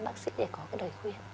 bác sĩ để có cái lời khuyên